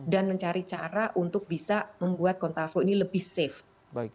dan mencari cara untuk bisa membuat kontraflow ini lebih safe